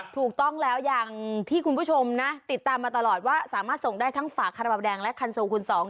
ถูกต้องแล้วอย่างที่คุณผู้ชมนะติดตามมาตลอดว่าสามารถส่งได้ทั้งฝาคาราบาลแดงและคันโซคูณสอง